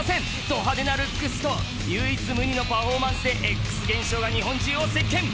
ド派手なルックスと唯一無二のパフォーマンスでＸ現象が日本中を席けん！